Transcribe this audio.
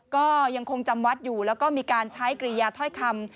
ก็ยังคงจำวัดอยู่แล้วก็มีการใช้กริยาถ้อยคำ